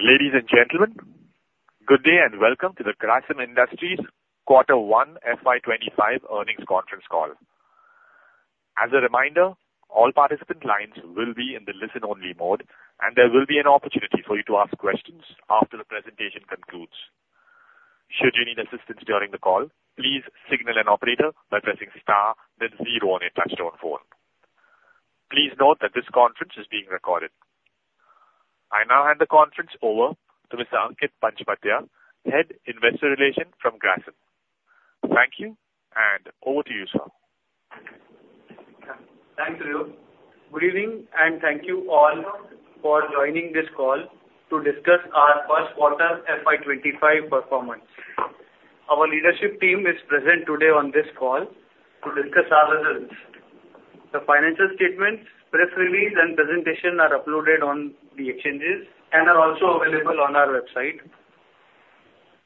Ladies and gentlemen, good day and welcome to the Grasim Industries Quarter One FY 2025 Earnings Conference Call. As a reminder, all participant lines will be in the listen-only mode, and there will be an opportunity for you to ask questions after the presentation concludes. Should you need assistance during the call, please signal an operator by pressing star then zero on your touchtone phone. Please note that this conference is being recorded. I now hand the conference over to Mr. Ankit Panchmatia, Head, Investor Relations from Grasim. Thank you, and over to you, sir. Thanks, Rilo. Good evening, and thank you all for joining this call to discuss our first quarter FY 2025 performance. Our leadership team is present today on this call to discuss our results. The financial statements, press release, and presentation are uploaded on the exchanges and are also available on our website.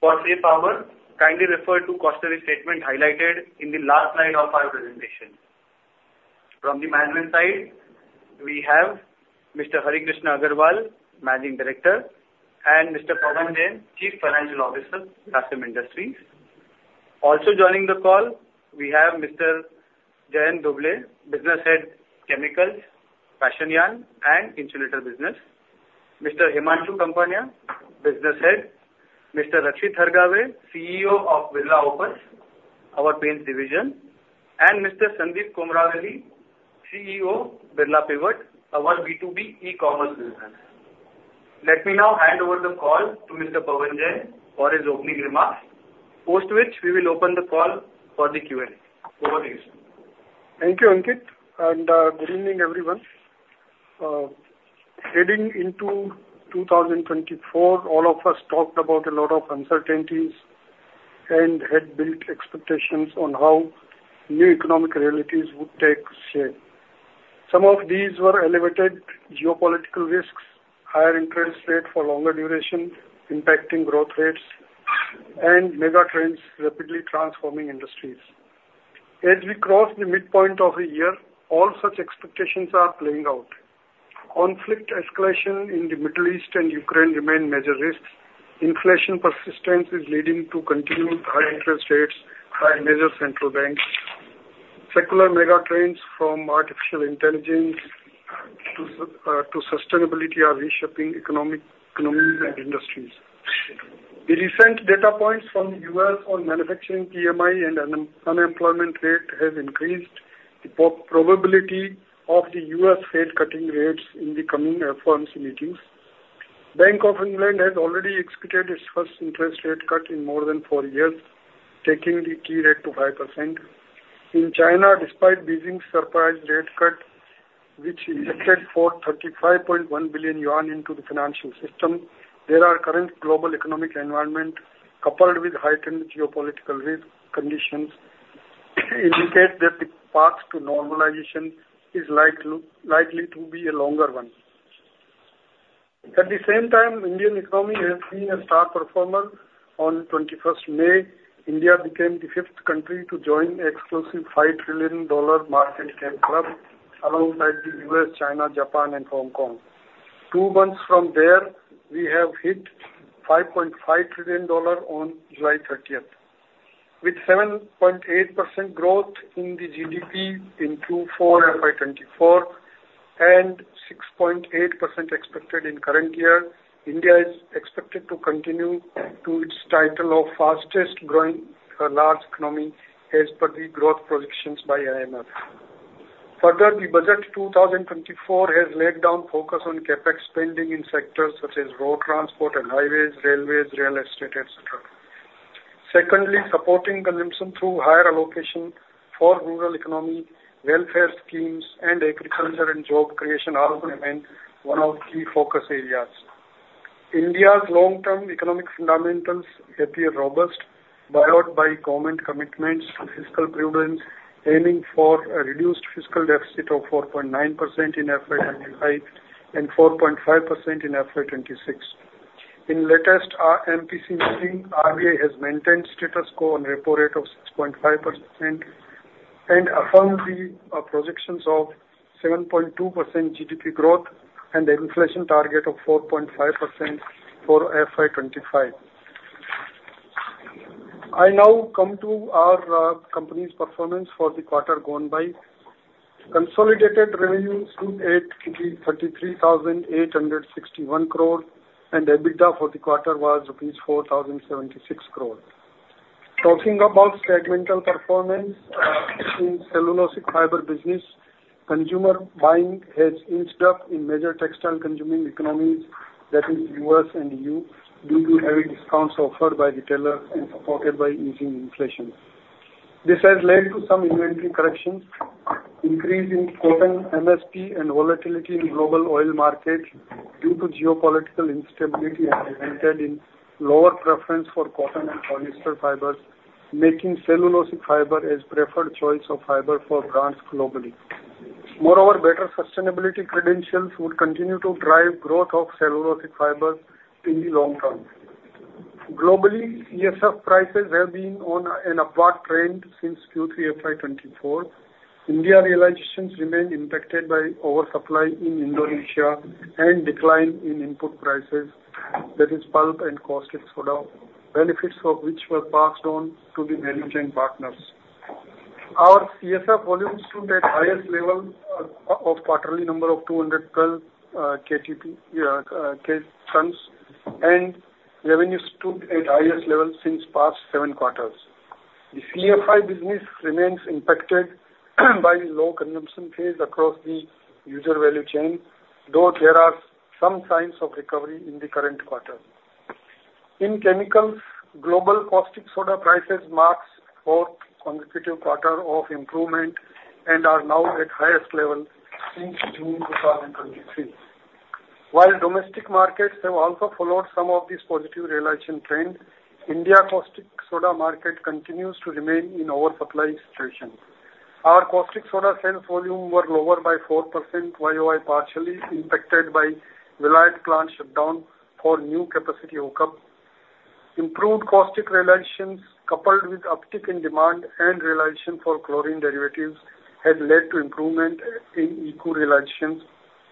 For safe harbor, kindly refer to cautionary statement highlighted in the last slide of our presentation. From the management side, we have Mr. Hari Krishna Agarwal, Managing Director, and Mr. Pavan Jain, Chief Financial Officer, Grasim Industries. Also joining the call, we have Mr. Jayant Dhobley, Business Head, Chemicals, Fashion Yarn, and Insulator Business; Mr. Himanshu Kapania, Business Head; Mr. Rakshit Hargave, CEO of Birla Opus, our paints division; and Mr. Sandeep Komaravelly, CEO, Birla Pivot, our B2B e-commerce business. Let me now hand over the call to Mr. Pavan Jain for his opening remarks, post which we will open the call for the Q&A. Over to you, sir. Thank you, Ankit, and, good evening, everyone. Heading into 2024, all of us talked about a lot of uncertainties and had built expectations on how new economic realities would take shape. Some of these were elevated geopolitical risks, higher interest rate for longer duration, impacting growth rates, and mega trends rapidly transforming industries. As we cross the midpoint of the year, all such expectations are playing out. Conflict escalation in the Middle East and Ukraine remain major risks. Inflation persistence is leading to continued high interest rates by major central banks. Secular mega trends from artificial intelligence, to sustainability are reshaping economic, economies and industries. The recent data points from the U.S. on manufacturing PMI and unemployment rate has increased the probability of the U.S. Fed cutting rates in the coming FOMC meetings. Bank of England has already executed its first interest rate cut in more than four years, taking the key rate to 5%. In China, despite Beijing's surprise rate cut, which injected 435.1 billion yuan into the financial system, the current global economic environment, coupled with heightened geopolitical risk conditions, indicates that the path to normalization is likely to be a longer one. At the same time, Indian economy has been a star performer. On 21st May, India became the fifth country to join the exclusive $5 trillion market cap club alongside the U.S., China, Japan and Hong Kong. Two months from there, we have hit $5.5 trillion on July 30th. With 7.8% growth in the GDP in FY 2024 and 6.8% expected in current year, India is expected to continue to its title of fastest growing, large economy as per the growth projections by IMF. Further, the 2024 budget has laid down focus on CapEx spending in sectors such as road transport and highways, railways, real estate, et cetera. Secondly, supporting consumption through higher allocation for rural economy, welfare schemes and agriculture and job creation are remain one of key focus areas. India's long-term economic fundamentals appear robust, buoyed by government commitments to fiscal prudence, aiming for a reduced fiscal deficit of 4.9% in FY 2025 and 4.5% in FY 2026. In latest MPC meeting, RBI has maintained status quo on repo rate of 6.5% and affirmed the projections of 7.2% GDP growth and the inflation target of 4.5% for FY 2025. I now come to our company's performance for the quarter gone by. Consolidated revenues stood at 33,861 crore, and EBITDA for the quarter was rupees 4,076 crore. Talking about segmental performance, in cellulosic fiber business, consumer buying has eased up in major textile consuming economies, that is U.S. and E.U., due to heavy discounts offered by retailers and supported by easing inflation. This has led to some inventory corrections, increase in cotton MSP and volatility in global oil markets due to geopolitical instability and resulted in lower preference for cotton and polyester fibers, making cellulosic fiber as preferred choice of fiber for brands globally. Moreover, better sustainability credentials will continue to drive growth of cellulosic fibers in the long term. Globally, VSF prices have been on an upward trend since Q3 FY 2024. India realizations remain impacted by oversupply in Indonesia and decline in input prices, that is pulp and caustic soda, benefits of which were passed on to the value chain partners. Our VSF volumes stood at highest level of quarterly number of 212 KT, and revenues stood at highest level since past seven quarters. The VFY business remains impacted by low consumption phase across the user value chain, though there are some signs of recovery in the current quarter. In chemicals, global Caustic Soda prices mark fourth consecutive quarter of improvement and are now at highest level since June 2023. While domestic markets have also followed some of these positive realization trends, India Caustic Soda market continues to remain in oversupply situation. Our Caustic Soda sales volume were lower by 4% YOY, partially impacted by Vizag plant shutdown for new capacity hookup. Improved Caustic realizations, coupled with uptick in demand and realization for chlorine derivatives, has led to improvement in ECU realizations,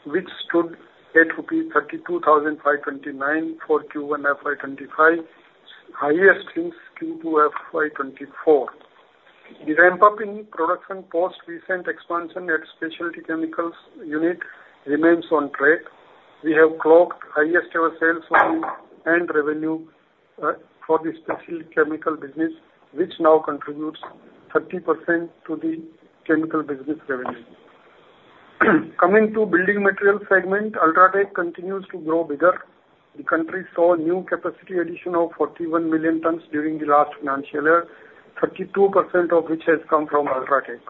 which stood at rupees 32,529 for Q1 FY 2025, highest since Q2 FY 2024. The ramp-up in production post recent expansion at specialty chemicals unit remains on track. We have clocked highest ever sales volume and revenue for the specialty chemical business, which now contributes 30% to the chemical business revenue. Coming to building material segment, UltraTech continues to grow bigger. The country saw new capacity addition of 41 million tons during the last financial year, 32% of which has come from UltraTech.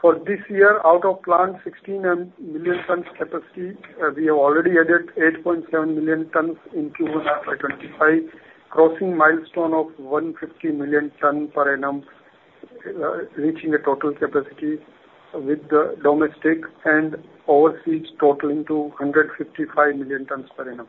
For this year, out of planned 16 million tons capacity, we have already added 8.7 million tons in Q1 FY 2025, crossing milestone of 150 million tons per annum, reaching a total capacity with the domestic and overseas totaling to 155 million tons per annum.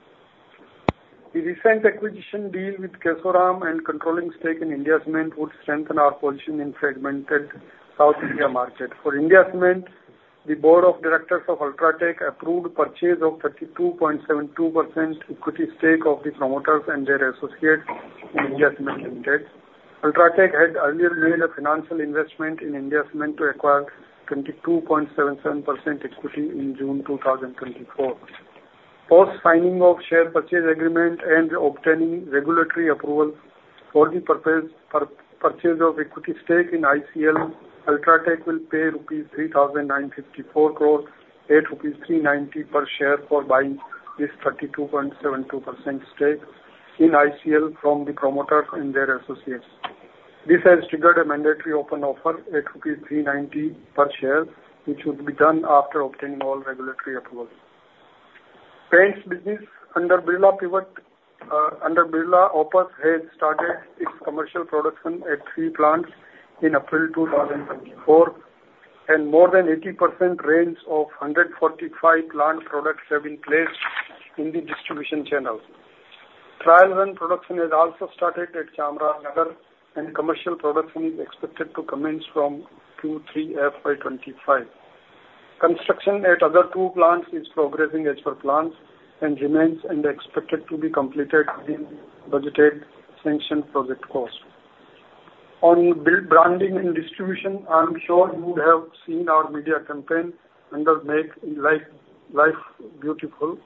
The recent acquisition deal with Kesoram and controlling stake in India Cements would strengthen our position in fragmented South India market. For India Cements, the board of directors of UltraTech approved purchase of 32.72% equity stake of the promoters and their associates in India Cements Limited. UltraTech had earlier made a financial investment in India Cements to acquire 22.77% equity in June 2024. Post signing of share purchase agreement and obtaining regulatory approval for the proposed purchase of equity stake in ICL, UltraTech will pay rupees 3,954 crore at 390 per share for buying this 32.72% stake in ICL from the promoter and their associates. This has triggered a mandatory open offer at INR 390 per share, which would be done after obtaining all regulatory approvals. Paints business under Birla Pivot, under Birla Opus, has started its commercial production at three plants in April 2024, and more than 80% range of 145 planned products have been placed in the distribution channels. Trial run production has also started at Chamarajanagar, and commercial production is expected to commence from Q3 FY 2025. Construction at other two plants is progressing as per plans and remains and expected to be completed in budgeted sanctioned project cost. On brand building and distribution, I'm sure you would have seen our media campaign under Make Life Beautiful.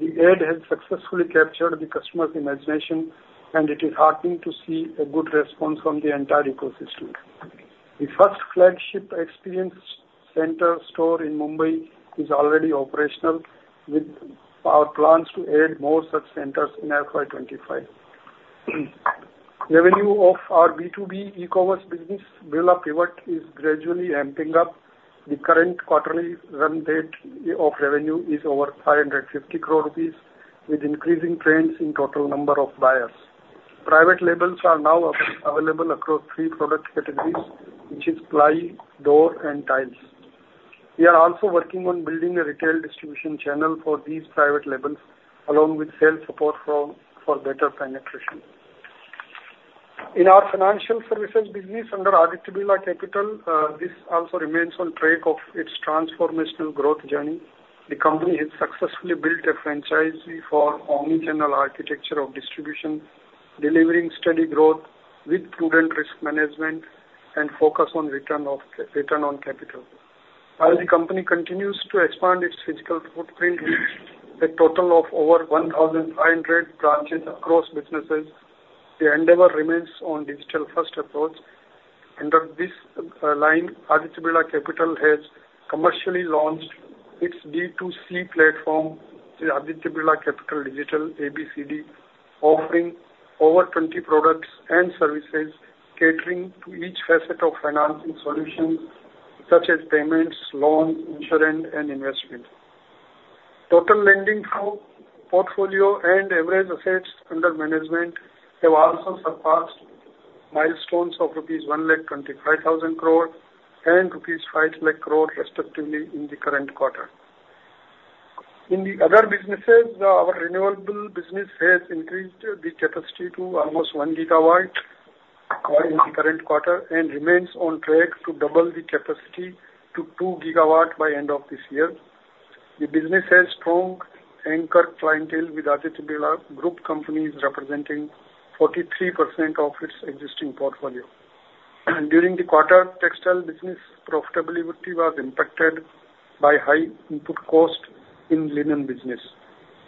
The ad has successfully captured the customer's imagination, and it is heartening to see a good response from the entire ecosystem. The first flagship experience center store in Mumbai is already operational, with our plans to add more such centers in FY 2025. Revenue of our B2B e-commerce business, Birla Pivot, is gradually ramping up. The current quarterly run rate of revenue is over 550 crore rupees, with increasing trends in total number of buyers. Private labels are now available across three product categories, which is ply, door, and tiles. We are also working on building a retail distribution channel for these private labels, along with sales support for better penetration. In our financial services business under Aditya Birla Capital, this also remains on track of its transformational growth journey. The company has successfully built a franchise for omnichannel architecture of distribution, delivering steady growth with prudent risk management and focus on return on capital. While the company continues to expand its physical footprint with a total of over 1,500 branches across businesses, the endeavor remains on digital-first approach. Under this line, Aditya Birla Capital has commercially launched its D2C platform, the Aditya Birla Capital Digital, ABCD, offering over 20 products and services catering to each facet of financing solutions such as payments, loan, insurance, and investment. Total lending portfolio and average assets under management have also surpassed milestones of rupees 125,000 crore and rupees 500,000 crore, respectively, in the current quarter. In the other businesses, our renewable business has increased the capacity to almost 1 gigawatt in the current quarter, and remains on track to double the capacity to 2 GW by end of this year. The business has strong anchor clientele, with Aditya Birla Group companies representing 43% of its existing portfolio. During the quarter, textile business profitability was impacted by high input cost in linen business.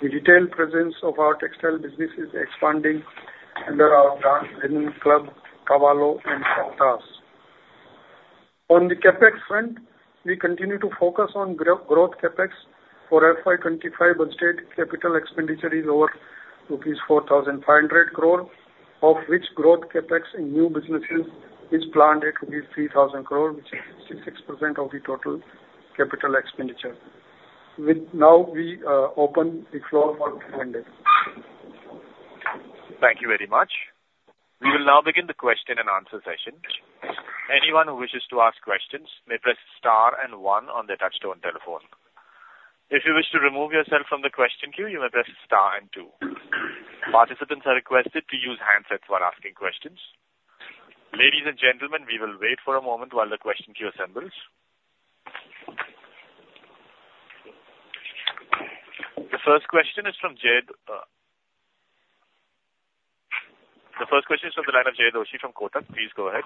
The retail presence of our textile business is expanding under our brand Linen Club, Cavallo and Soktas. On the CapEx front, we continue to focus on growth CapEx. For FY 2025, budget capital expenditure is over rupees 4,500 crore, of which growth CapEx in new businesses is planned at rupees 3,000 crore, which is 66% of the total capital expenditure. With now we open the floor for Q&A. Thank you very much. We will now begin the question and answer session. Anyone who wishes to ask questions may press star and one on their touch-tone telephone. If you wish to remove yourself from the question queue, you may press star and two. Participants are requested to use handsets while asking questions. Ladies and gentlemen, we will wait for a moment while the question queue assembles. The first question is from Jay. The first question is from the line of Jay Doshi from Kotak. Please go ahead.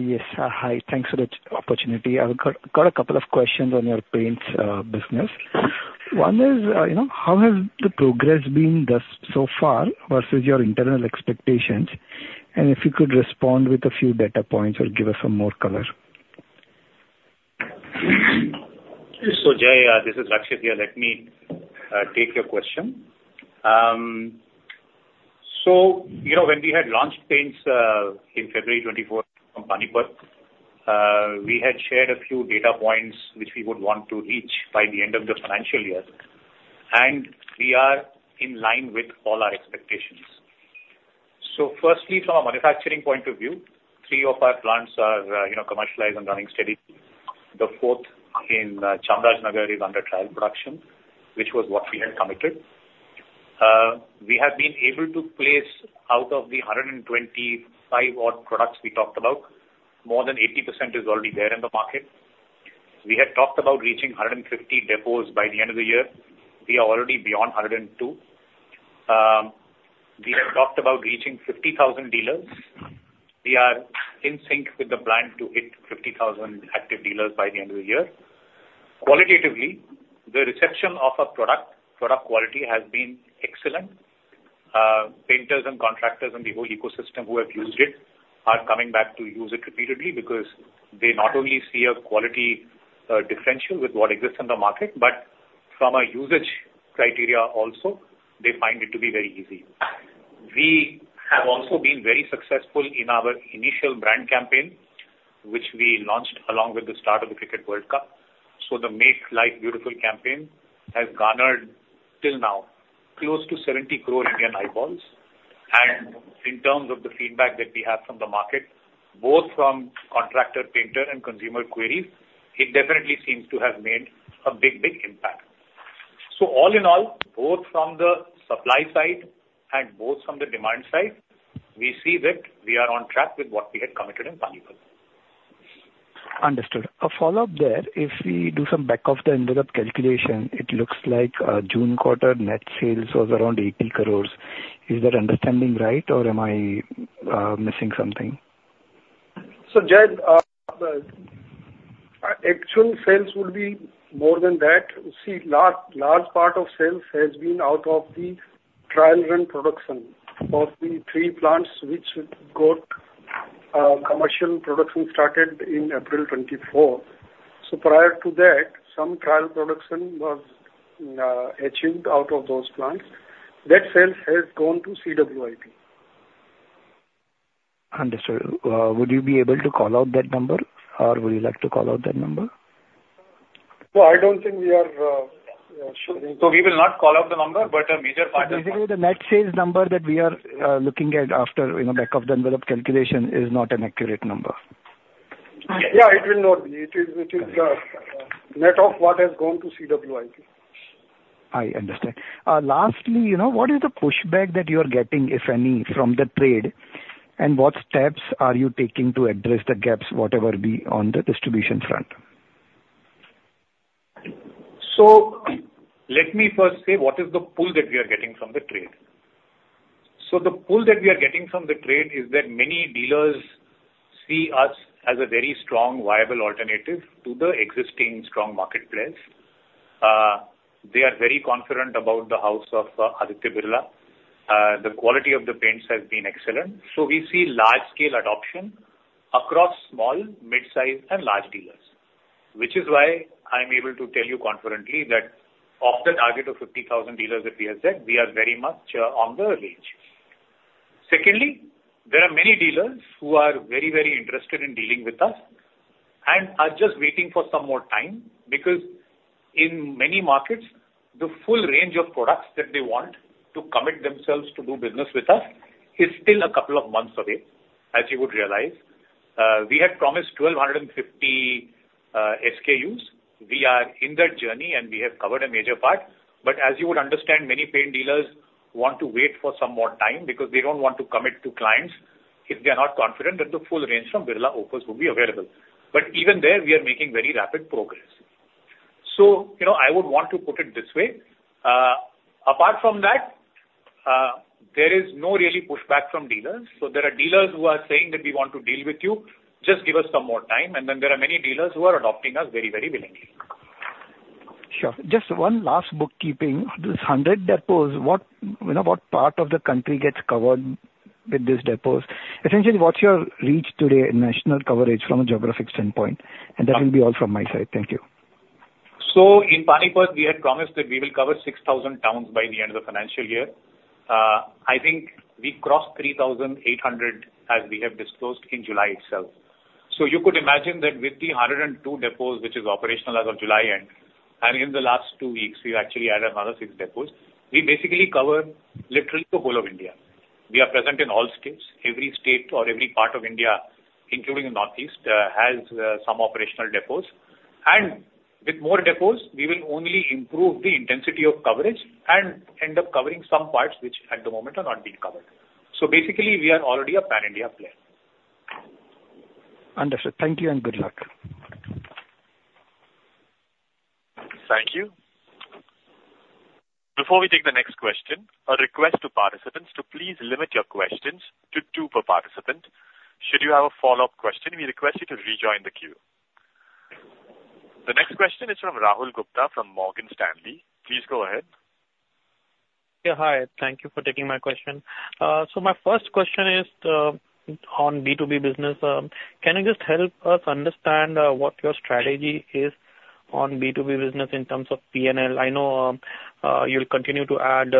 Yes, hi. Thanks for the opportunity. I've got a couple of questions on your paints business. One is, you know, how has the progress been thus so far versus your internal expectations? And if you could respond with a few data points or give us some more color. So, Jay, this is Rakshit here. Let me take your question. So, you know, when we had launched Paints in February 2024 from Panipat, we had shared a few data points which we would want to reach by the end of the financial year, and we are in line with all our expectations. So firstly, from a manufacturing point of view, three of our plants are, you know, commercialized and running steadily. The fourth in Chamarajanagar is under trial production, which was what we had committed. We have been able to place out of the 125-odd products we talked about, more than 80% is already there in the market. We had talked about reaching 150 depots by the end of the year. We are already beyond 102. We had talked about reaching 50,000 dealers. We are in sync with the plan to hit 50,000 active dealers by the end of the year. Qualitatively, the reception of our product, product quality, has been excellent. Painters and contractors and the whole ecosystem who have used it are coming back to use it repeatedly because they not only see a quality differential with what exists in the market, but from a usage criteria also, they find it to be very easy. We have also been very successful in our initial brand campaign, which we launched along with the start of the Cricket World Cup. The Make Life Beautiful campaign has garnered, till now, close to 70 crore Indian eyeballs. In terms of the feedback that we have from the market, both from contractor, painter, and consumer queries, it definitely seems to have made a big, big impact. All in all, both from the supply side and both from the demand side, we see that we are on track with what we had committed in Panipat. Understood. A follow-up there, if we do some back-of-the-envelope calculation, it looks like, June quarter net sales was around 80 crore. Is that understanding right, or am I, missing something? So, Jay, the actual sales will be more than that. You see, large, large part of sales has been out of the trial run production of the three plants which got commercial production started in April 2024. So prior to that, some trial production was achieved out of those plants. That sales has gone to CWIP. Understood. Would you be able to call out that number, or would you like to call out that number? No, I don't think we are sure. So we will not call out the number, but a major part of- Basically, the net sales number that we are looking at after, you know, back-of-the-envelope calculation is not an accurate number. Yeah, it will not be. It is, it is, net of what has gone to CWIP. I understand. Lastly, you know, what is the pushback that you are getting, if any, from the trade, and what steps are you taking to address the gaps, whatever be on the distribution front? So let me first say, what is the pull that we are getting from the trade? So the pull that we are getting from the trade is that many dealers see us as a very strong, viable alternative to the existing strong marketplace. They are very confident about the house of Aditya Birla. The quality of the paints has been excellent. So we see large-scale adoption across small, mid-size, and large dealers, which is why I'm able to tell you confidently that of the target of 50,000 dealers that we have said, we are very much on the range. Secondly, there are many dealers who are very, very interested in dealing with us and are just waiting for some more time, because in many markets, the full range of products that they want to commit themselves to do business with us is still a couple of months away, as you would realize. We had promised 1,250 SKUs. We are in that journey, and we have covered a major part. But as you would understand, many paint dealers want to wait for some more time because they don't want to commit to clients if they are not confident that the full range from Birla Opus will be available. But even there, we are making very rapid progress. So, you know, I would want to put it this way. Apart from that, there is no really pushback from dealers. So, there are dealers who are saying that we want to deal with you, just give us some more time, and then there are many dealers who are adopting us very, very willingly. Sure. Just one last bookkeeping. These 100 depots, what, you know, what part of the country gets covered with these depots? Essentially, what's your reach today in national coverage from a geographic standpoint? And that will be all from my side. Thank you. So in Panipat, we had promised that we will cover 6,000 towns by the end of the financial year. I think we crossed 3,800, as we have disclosed in July itself. So you could imagine that with the 102 depots, which is operational as of July end, and in the last two weeks, we've actually added another six depots. We basically cover literally the whole of India. We are present in all states. Every state or every part of India, including the Northeast, has some operational depots. And with more depots, we will only improve the intensity of coverage and end up covering some parts which at the moment are not being covered. So basically, we are already a pan-India player. Understood. Thank you, and good luck. Thank you. Before we take the next question, a request to participants to please limit your questions to two per participant. Should you have a follow-up question, we request you to rejoin the queue. The next question is from Rahul Gupta from Morgan Stanley. Please go ahead. Yeah, hi. Thank you for taking my question. So my first question is on B2B business. Can you just help us understand what your strategy is on B2B business in terms of P&L? I know you'll continue to add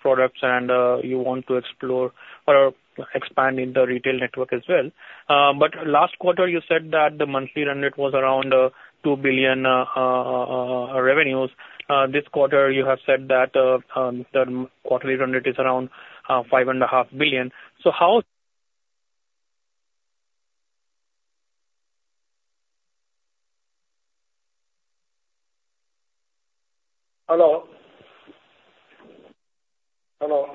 products, and you want to explore or expand in the retail network as well. But last quarter, you said that the monthly run rate was around 2 billion revenues. This quarter, you have said that the quarterly run rate is around 5.5 billion. So how... Hello? Hello?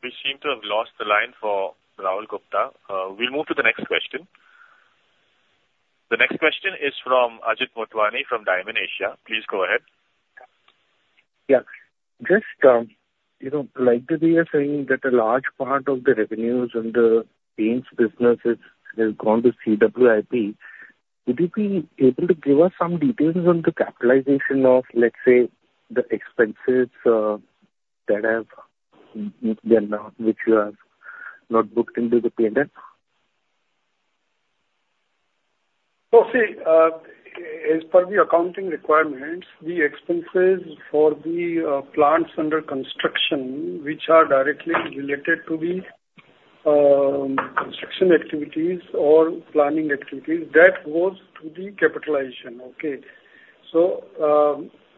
We seem to have lost the line for Rahul Gupta. We'll move to the next question. The next question is from Ajit Motwani, from Dymon Asia. Please go ahead. Yeah. Just, you know, like they are saying, that a large part of the revenues and the paints businesses has gone to CWIP. Would you be able to give us some details on the capitalization of, let's say, the expenses, that have been, which you have not booked into the P&L? So, see, as per the accounting requirements, the expenses for the plants under construction, which are directly related to the construction activities or planning activities, that goes to the capitalization. Okay? So,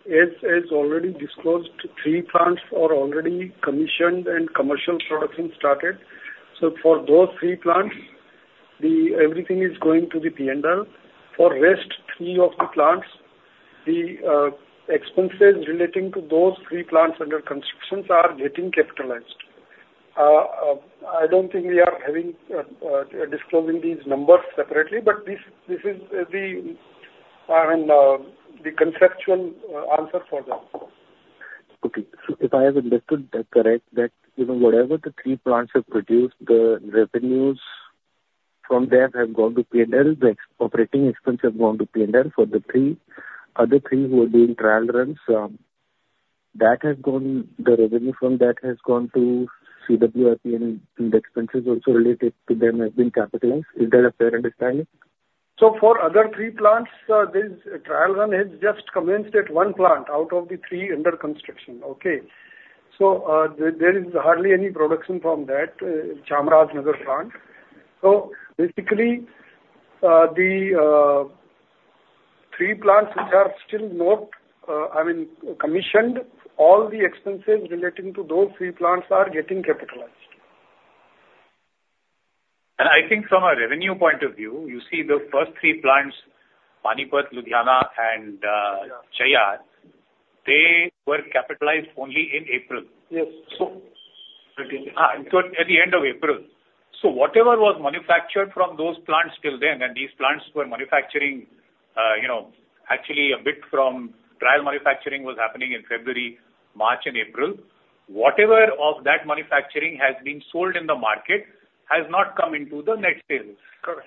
as already disclosed, three plants are already commissioned and commercial production started. So for those three plants, everything is going to the P&L. For rest three of the plants, the expenses relating to those three plants under construction are getting capitalized. I don't think we are having disclosing these numbers separately, but this is the, I mean, the conceptual answer for that. Okay. So if I have understood that correct, that, you know, whatever the three plants have produced, the revenues from them have gone to P&L, the operating expenses have gone to P&L for the three. Other three who are doing trial runs, that has gone, the revenue from that has gone to CWIP, and the expenses also related to them have been capitalized. Is that a fair understanding? So for other three plants, this trial run has just commenced at one plant out of the three under construction, okay? So, there is hardly any production from that, Chamarajanagar plant. So basically, the three plants which are still not, I mean, commissioned, all the expenses relating to those three plants are getting capitalized. I think from a revenue point of view, you see the first three plants, Panipat, Ludhiana, and Yeah. Cheyyar, they were capitalized only in April. Yes. So, at the end of April. Whatever was manufactured from those plants till then, and these plants were manufacturing, you know, actually a bit from trial manufacturing was happening in February, March and April. Whatever of that manufacturing has been sold in the market has not come into the net sales,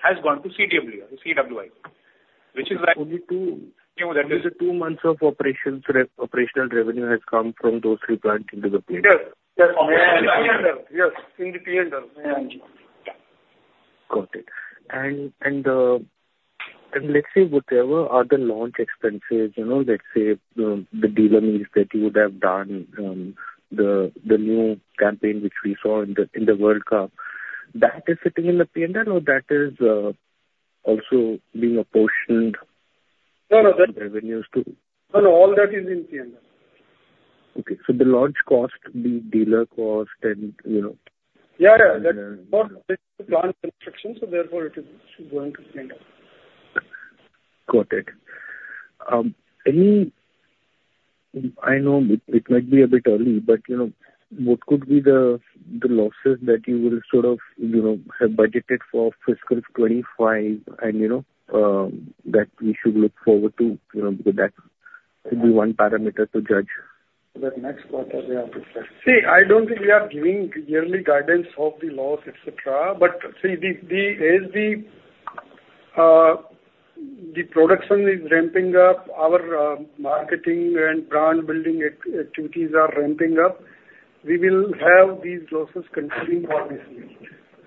has gone to CWIP, which is like- Only two- Yeah, that is- Two months of operations, operational revenue has come from those three plants into the picture. Yes. Yes, in the P&L. Yes, in the P&L. Got it. And let's say whatever other launch expenses, you know, let's say the dealer meetings that you would have done, the new campaign which we saw in the World Cup, that is sitting in the P&L or that is also being apportioned?... No, no, all that is in P&L. Okay, the launch cost, the dealer cost, and, you know- Yeah, yeah. That's not construction, so therefore, it is going to P&L. Got it. I know it might be a bit early, but, you know, what could be the, the losses that you will sort of, you know, have budgeted for fiscal 2025 and, you know, that we should look forward to, you know, because that could be one parameter to judge. The next quarter we have to see. I don't think we are giving yearly guidance of the loss, et cetera, but see, as the production is ramping up, our marketing and brand building activities are ramping up, we will have these losses continuing obviously.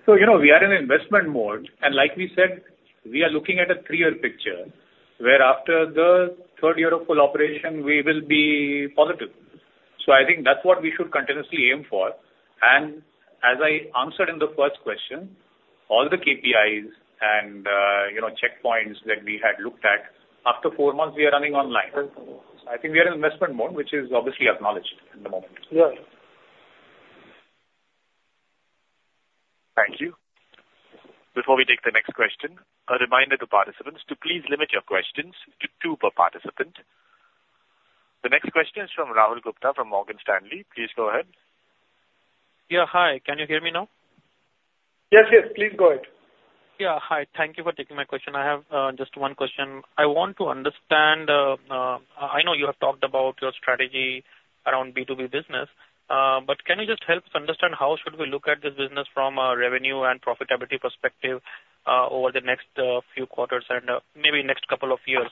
So, you know, we are in investment mode, and like we said, we are looking at a three-year picture, where after the third year of full operation, we will be positive. So I think that's what we should continuously aim for. And as I answered in the first question, all the KPIs and, you know, checkpoints that we had looked at, after four months, we are running online. I think we are in investment mode, which is obviously acknowledged at the moment. Right. Thank you. Before we take the next question, a reminder to participants to please limit your questions to two per participant. The next question is from Rahul Gupta, from Morgan Stanley. Please go ahead. Yeah, hi. Can you hear me now? Yes, yes, please go ahead. Yeah, hi. Thank you for taking my question. I have just one question. I want to understand. I know you have talked about your strategy around B2B business, but can you just help us understand how should we look at this business from a revenue and profitability perspective, over the next few quarters and maybe next couple of years?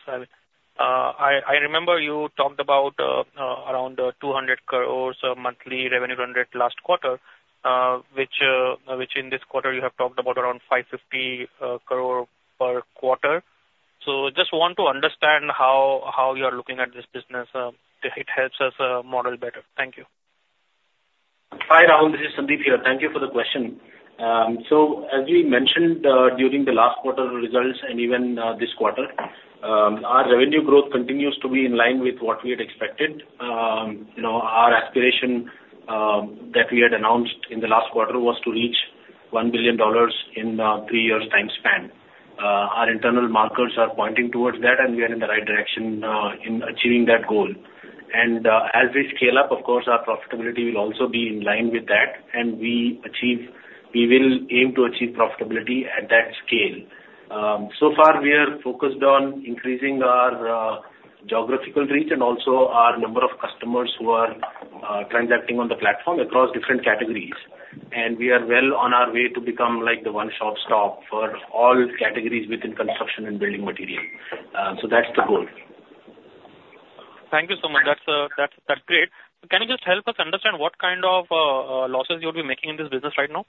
I remember you talked about around 200 crore of monthly revenue run rate last quarter, which in this quarter you have talked about around 550 crore per quarter. So just want to understand how you are looking at this business. It helps us model better. Thank you. Hi, Rahul, this is Sandeep here. Thank you for the question. So as we mentioned, during the last quarter results and even this quarter, our revenue growth continues to be in line with what we had expected. You know, our aspiration that we had announced in the last quarter was to reach $1 billion in three years time span. Our internal markers are pointing towards that, and we are in the right direction in achieving that goal. As we scale up, of course, our profitability will also be in line with that, and we will aim to achieve profitability at that scale. So far, we are focused on increasing our geographical reach and also our number of customers who are transacting on the platform across different categories. We are well on our way to become like the one-stop shop for all categories within construction and building material. That's the goal. Thank you so much. That's, that's great. Can you just help us understand what kind of losses you'll be making in this business right now?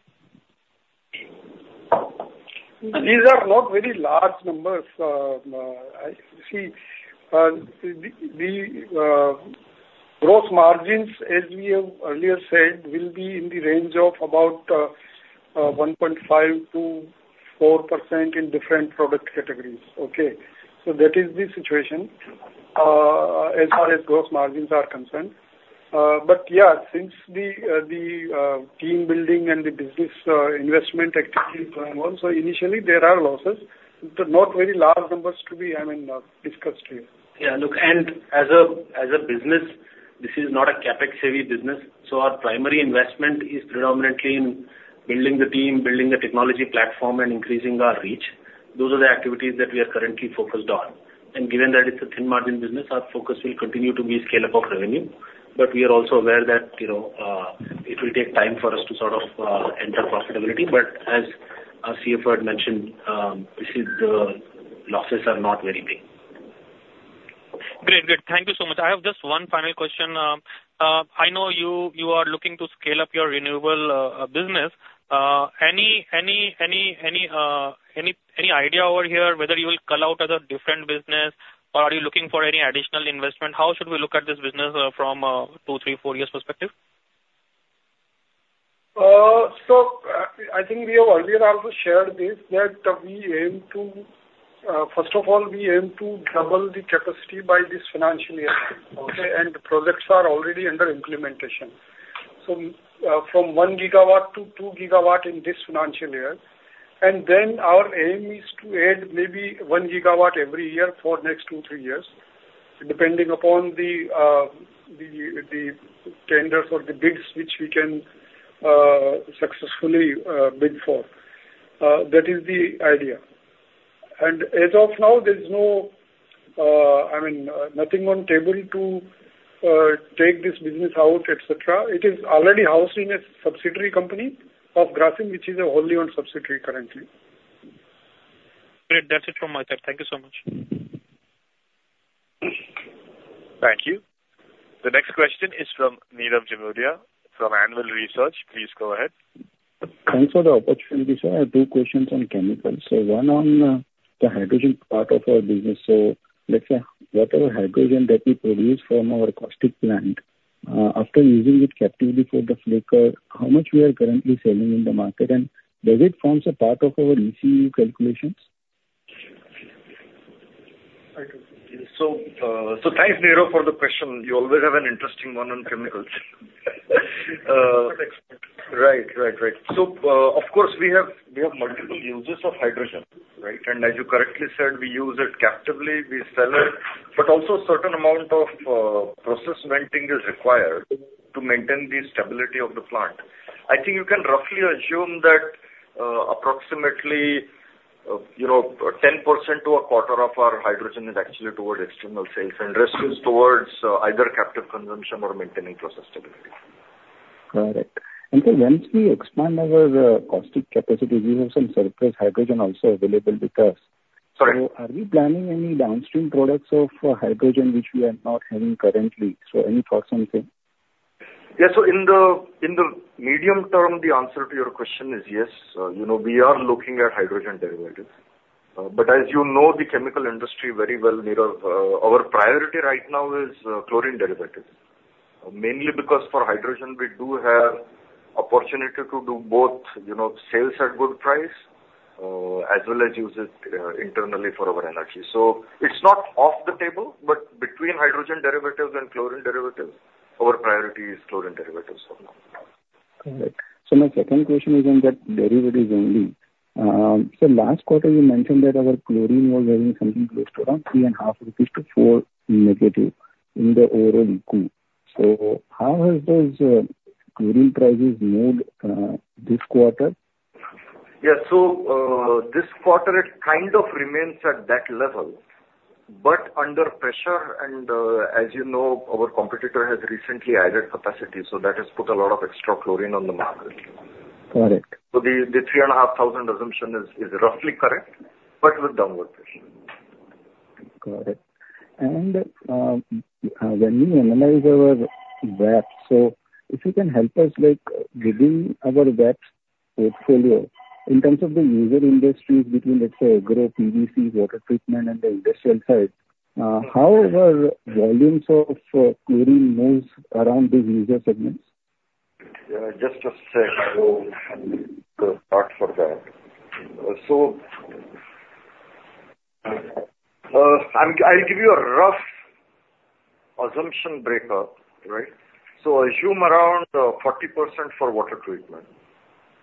These are not very large numbers. Gross margins, as we have earlier said, will be in the range of about 1.5%-4% in different product categories, okay? So that is the situation as far as gross margins are concerned. But yeah, since the team building and the business investment activity is going on, so initially there are losses, but not very large numbers to be, I mean, discussed here. Yeah, look, and as a business, this is not a CapEx-heavy business, so our primary investment is predominantly in building the team, building the technology platform, and increasing our reach. Those are the activities that we are currently focused on. And given that it's a thin margin business, our focus will continue to be scale-up of revenue. But we are also aware that, you know, it will take time for us to sort of enter profitability. But as our CFO had mentioned, this is the losses are not very big. Great. Great. Thank you so much. I have just one final question. I know you are looking to scale up your renewable business. Any idea over here whether you will call out as a different business, or are you looking for any additional investment? How should we look at this business from two, three, four years perspective? So I think we have earlier also shared this, that we aim to... First of all, we aim to double the capacity by this financial year, okay? And projects are already under implementation. So, from 1 GW to 2 GW in this financial year, and then our aim is to add maybe 1 GW every year for next two, three years, depending upon the tenders or the bids which we can successfully bid for. That is the idea. And as of now, there's no, I mean, nothing on table to take this business out, et cetera. It is already housed in a subsidiary company of Grasim, which is a wholly-owned subsidiary currently. Great. That's it from my side. Thank you so much. Thank you. The next question is from Nirav Jimudia, from Anvil Research. Please go ahead. Thanks for the opportunity, sir. I have two questions on chemicals. One on the hydrogen part of our business. Let's say whatever hydrogen that we produce from our caustic plant, after using it captively for the flaker, how much we are currently selling in the market? And does it forms a part of our ECU calculations? Right. So, so thanks, Nirav, for the question. You always have an interesting one on chemicals. Right, right, right. So, of course, we have, we have multiple uses of hydrogen, right? And as you correctly said, we use it captively, we sell it, but also certain amount of, process venting is required to maintain the stability of the plant. I think you can roughly assume that, approximately, you know, 10% to a quarter of our hydrogen is actually towards external sales, and rest is towards, either captive consumption or maintaining process stability. Got it. And so once we expand our caustic capacity, we have some surplus hydrogen also available with us. Sorry. So are we planning any downstream products of hydrogen, which we are not having currently? So any thoughts on same? Yeah. So in the medium term, the answer to your question is yes. You know, we are looking at hydrogen derivatives. But as you know the chemical industry very well, Nirav, our priority right now is chlorine derivatives. Mainly because for hydrogen, we do have opportunity to do both, you know, sales at good price, as well as use it internally for our energy. So it's not off the table, but between hydrogen derivatives and chlorine derivatives, our priority is chlorine derivatives for now. Correct. So my second question is on that derivatives only. So last quarter you mentioned that our chlorine was having something close to around 3.5-4 rupees negative in the overall ECU. So how has those chlorine prices moved this quarter? Yeah. So, this quarter, it kind of remains at that level, but under pressure and, as you know, our competitor has recently added capacity, so that has put a lot of extra chlorine on the market. Got it. So the 3,500 assumption is roughly correct, but with downward pressure. Got it. And, when you analyze our VAPS, so if you can help us, like, within our VAPS portfolio, in terms of the user industries between, let's say, agro, PVC, water treatment and the industrial side, how are volumes of, chlorine moves around these user segments? Just a sec, so I start for that. So, I'll give you a rough assumption breakup, right? So assume around 40% for water treatment.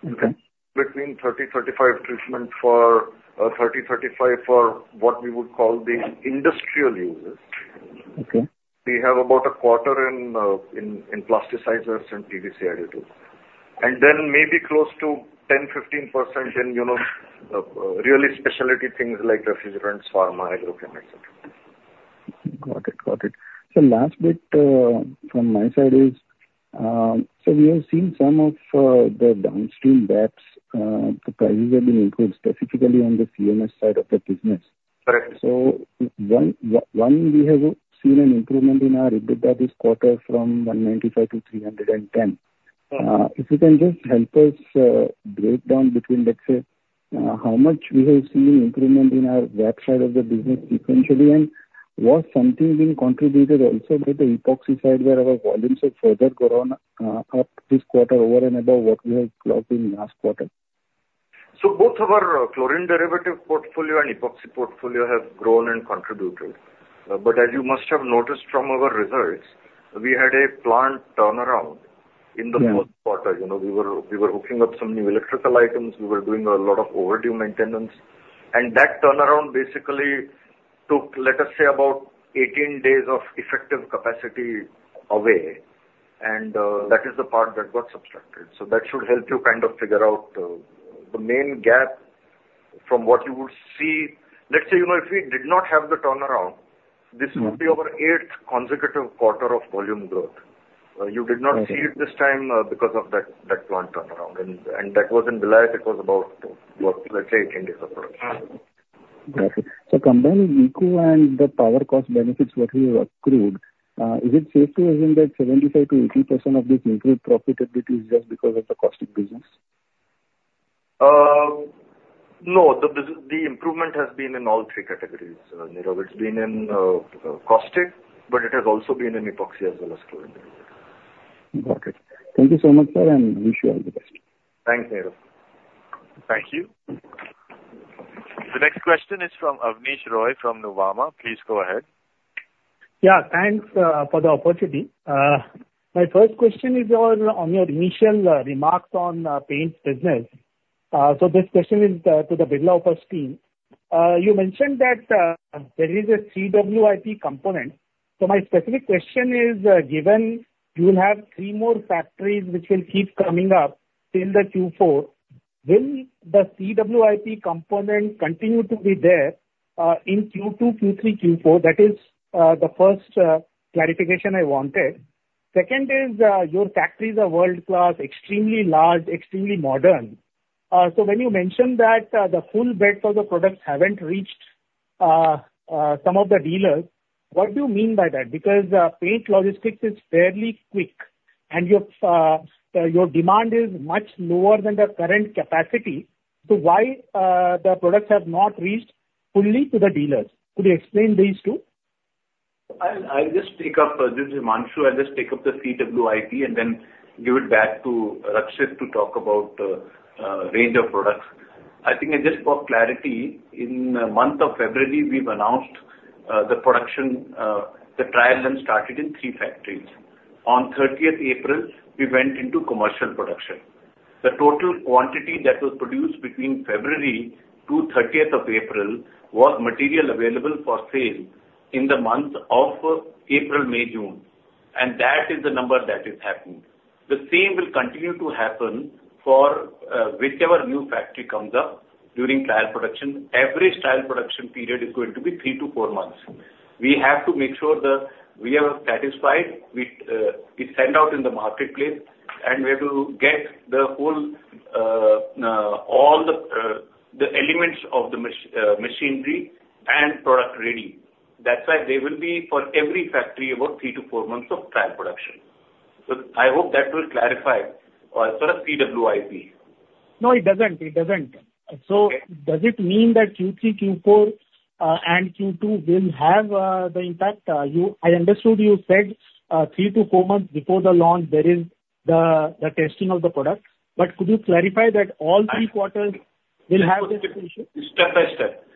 Okay. Between 30-35 treatment for 30-35 for what we would call the industrial users. Okay. We have about 25% in plasticizers and PVC additives. And then maybe close to 10%-15% in, you know, really specialty things like refrigerants, pharma, agrochemicals. Got it. Got it. So last bit from my side is, so we have seen some of the downstream VAPS, the prices have been improved, specifically on the CMS side of the business. Correct. One, we have seen an improvement in our EBITDA this quarter from 195-310. Uh. If you can just help us, break down between, let's say, how much we have seen improvement in our VAPS side of the business sequentially, and was something being contributed also by the epoxy side, where our volumes have further grown, up this quarter over and above what we have clocked in last quarter? So both our Chlorine Derivatives portfolio and Epoxy portfolio have grown and contributed. But as you must have noticed from our results, we had a plant turnaround in the- Yeah... first quarter. You know, we were, we were hooking up some new electrical items. We were doing a lot of overdue maintenance. And that turnaround basically took, let us say, about 18 days of effective capacity away, and that is the part that got subtracted. So that should help you kind of figure out the main gap from what you would see. Let's say, you know, if we did not have the turnaround- Mm-hmm... this would be our eighth consecutive quarter of volume growth. You did not- Okay... see it this time, because of that, that plant turnaround. And that was in Vilayat. It was about, what, let's say, eight days of production. Got it. So combining ECU and the power cost benefits, what we have accrued, is it safe to assume that 75%-80% of this improved profit EBITDA is just because of the caustic business? No, the improvement has been in all three categories, Nirav. It's been in caustic, but it has also been in epoxy as well as chlorine. Got it. Thank you so much, sir, and wish you all the best. Thanks, Nirav. Thank you. The next question is from Abneesh Roy of Nuvama. Please go ahead. Yeah, thanks for the opportunity. My first question is on your initial remarks on the paints business. So this question is to the Birla group team. You mentioned that there is a CWIP component. So my specific question is, given you will have three more factories, which will keep coming up in the Q4, will the CWIP component continue to be there in Q2, Q3, Q4? That is the first clarification I wanted. Second is, your factories are world-class, extremely large, extremely modern. So when you mentioned that the full bed for the products haven't reached some of the dealers, what do you mean by that? Because paint logistics is fairly quick. and your demand is much lower than the current capacity, so why the products have not reached fully to the dealers? Could you explain these two? I'll just pick up; this is Himanshu. I'll just pick up the CWIP and then give it back to Rakshit to talk about range of products. I think just for clarity, in the month of February, we've announced the production; the trials then started in three factories. On 30th April, we went into commercial production. The total quantity that was produced between February to 30th of April was material available for sale in the months of April, May, June, and that is the number that is happening. The same will continue to happen for whichever new factory comes up during trial production. Every trial production period is going to be three to four months. We have to make sure that we are satisfied with, we send out in the marketplace, and we have to get the whole, all the, the elements of the machinery and product ready. That's why there will be, for every factory, about three to four months of trial production. So I hope that will clarify as far as CWIP. No, it doesn't, it doesn't. Okay. So does it mean that Q3, Q4, and Q2 will have the impact? I understood you said three to four months before the launch, there is the testing of the product. But could you clarify that all three quarters will have this issue? Step by step.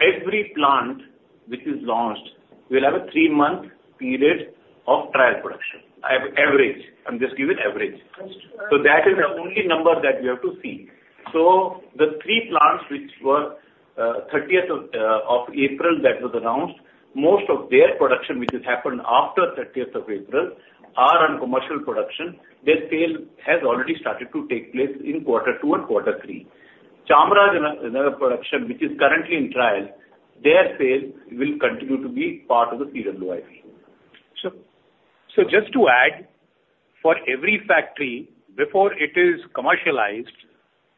Every plant which is launched will have a three-month period of trial production. I have average, I'm just giving average. Understood. That is the only number that we have to see. The three plants which were 30th of April, that was announced, most of their production, which has happened after 30th of April, are on commercial production. Their sale has already started to take place in quarter two and quarter three. Chamarajanagar production, which is currently in trial, their sales will continue to be part of the CWIP. So, just to add, for every factory, before it is commercialized,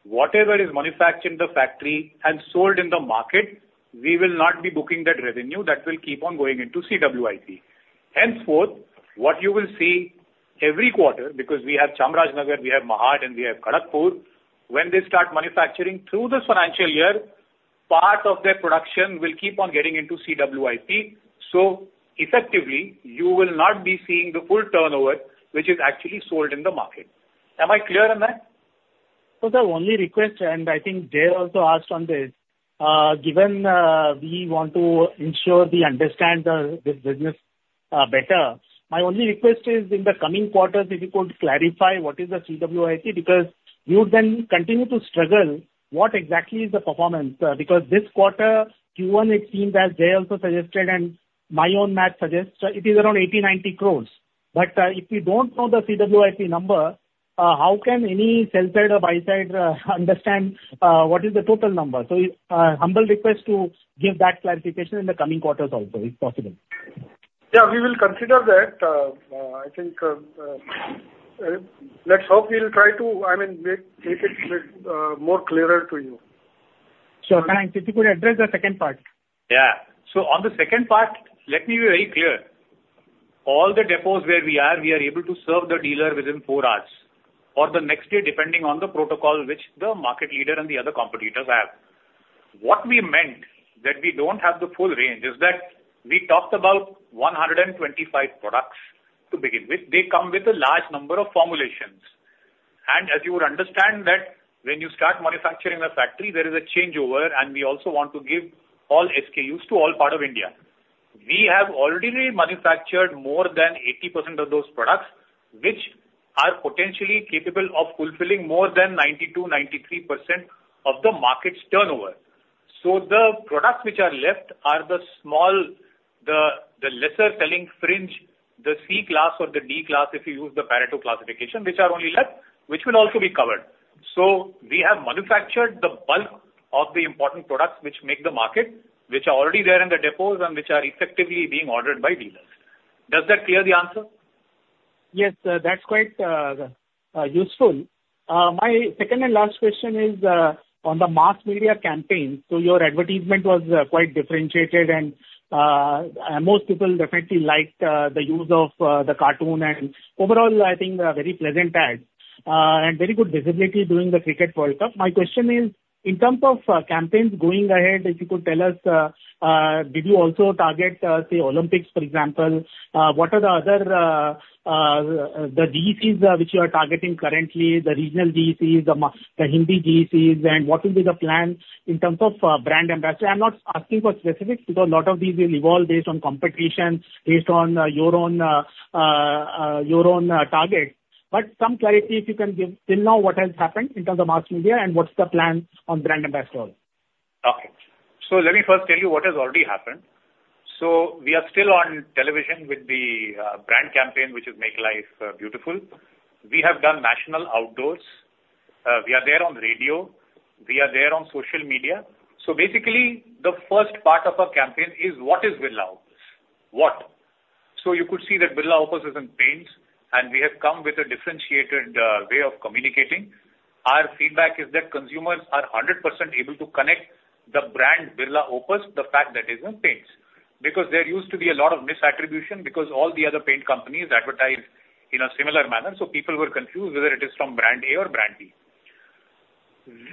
whatever is manufactured in the factory and sold in the market, we will not be booking that revenue. That will keep on going into CWIP. Henceforth, what you will see every quarter, because we have Chamarajanagar, we have Mahad, and we have Kharagpur. When they start manufacturing through this financial year, part of their production will keep on getting into CWIP. So effectively, you will not be seeing the full turnover, which is actually sold in the market. Am I clear on that? So the only request, and I think Jay also asked on this, given we want to ensure we understand the this business better, my only request is in the coming quarters, if you could clarify what is the CWIP, because you then continue to struggle, what exactly is the performance? Because this quarter, Q1, it seems, as Jay also suggested and my own math suggests, it is around 80 crore-90 crore. But, if you don't know the CWIP number, how can any sell side or buy side understand what is the total number? So, humble request to give that clarification in the coming quarters also, if possible. Yeah, we will consider that. I think, let's hope we'll try to, I mean, make, make it more clearer to you. Sure. And if you could address the second part? Yeah. So on the second part, let me be very clear. All the depots where we are, we are able to serve the dealer within four hours or the next day, depending on the protocol which the market leader and the other competitors have. What we meant, that we don't have the full range, is that we talked about 125 products to begin with. They come with a large number of formulations. And as you would understand that when you start manufacturing a factory, there is a changeover, and we also want to give all SKUs to all part of India. We have already manufactured more than 80% of those products, which are potentially capable of fulfilling more than 92%-93% of the market's turnover. So the products which are left are the small, the lesser-selling fringe, the C class or the D class, if you use the Pareto classification, which are only left, which will also be covered. So we have manufactured the bulk of the important products which make the market, which are already there in the depots and which are effectively being ordered by dealers. Does that clear the answer? Yes, that's quite useful. My second and last question is on the mass media campaign. So your advertisement was quite differentiated and most people definitely liked the use of the cartoon, and overall, I think very pleasant ad, and very good visibility during the Cricket World Cup. My question is, in terms of campaigns going ahead, if you could tell us, did you also target, say, Olympics, for example? What are the other GECs which you are targeting currently, the regional GECs, the Hindi GECs? And what will be the plan in terms of brand ambassador? I'm not asking for specifics, because a lot of these will evolve based on competition, based on your own target. But some clarity if you can give, till now, what has happened in terms of mass media and what's the plan on brand ambassador? Okay. So let me first tell you what has already happened. So we are still on television with the brand campaign, which is Make Life Beautiful. We have done national outdoors. We are there on radio. We are there on social media. So basically, the first part of our campaign is, what is Birla Opus? What? So you could see that Birla Opus is in paints, and we have come with a differentiated way of communicating. Our feedback is that consumers are 100% able to connect the brand Birla Opus, the fact that is in paints. Because there used to be a lot of misattribution, because all the other paint companies advertise in a similar manner, so people were confused whether it is from brand A or brand B.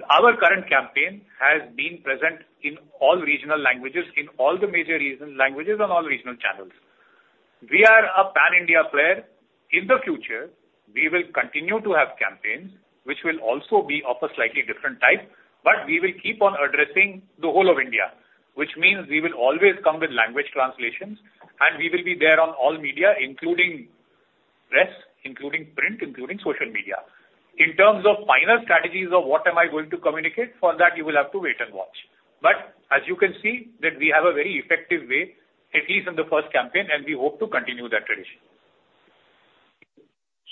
Our current campaign has been present in all regional languages, in all the major region languages, on all regional channels. We are a pan-India player. In the future, we will continue to have campaigns which will also be of a slightly different type, but we will keep on addressing the whole of India, which means we will always come with language translations, and we will be there on all media, including press, including print, including social media. In terms of final strategies of what am I going to communicate, for that you will have to wait and watch. But as you can see, that we have a very effective way, at least in the first campaign, and we hope to continue that tradition.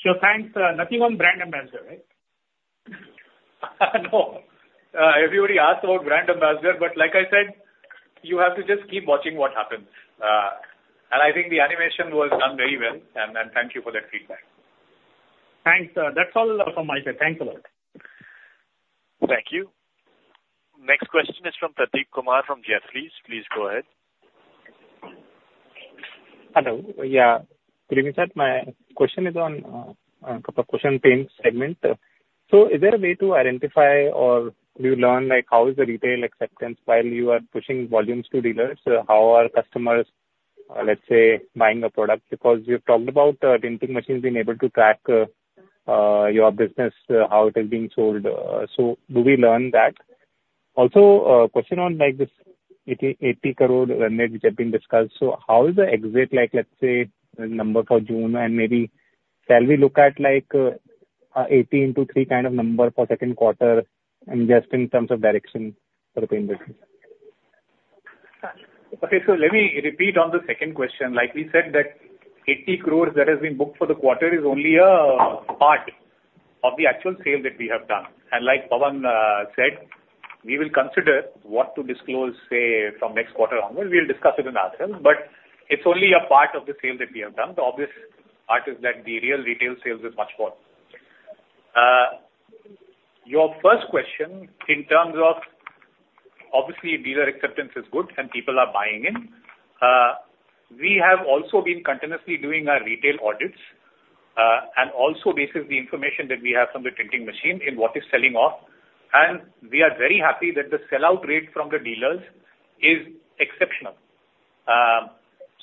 Sure, thanks. Nothing on brand ambassador, right? No. Everybody asks about brand ambassador, but like I said, you have to just keep watching what happens. I think the animation was done very well, and thank you for that feedback. Thanks, sir. That's all from my side. Thanks a lot. Thank you. Next question is from Prateek Kumar, from Jefferies. Please go ahead. Hello. Yeah, good evening, sir. My question is on a couple of questions on paint segment. So is there a way to identify or do you learn, like, how is the retail acceptance while you are pushing volumes to dealers? How are customers, let's say, buying a product? Because you've talked about printing machines being able to track your business, how it is being sold. So do we learn that? Also, a question on, like, this 80 crore run rate which have been discussed. So how is the exit, like, let's say, number for June? And maybe shall we look at, like, 18-30 kind of number for second quarter, and just in terms of direction for the paint business? Okay, so let me repeat on the second question. Like we said, that 80 crore that has been booked for the quarter is only a part of the actual sale that we have done. And like Pavan said, we will consider what to disclose, say, from next quarter onward. We'll discuss it in our team, but it's only a part of the sale that we have done. The obvious part is that the real retail sales is much more. Your first question, in terms of... Obviously, dealer acceptance is good and people are buying in. We have also been continuously doing our retail audits, and also basis the information that we have from the printing machine in what is selling off, and we are very happy that the sell-out rate from the dealers is exceptional.